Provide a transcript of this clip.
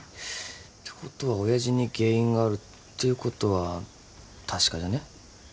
てことは親父に原因があるっていうことは確かじゃねえ？